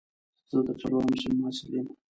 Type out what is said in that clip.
زه د څلورم صنف محصل یم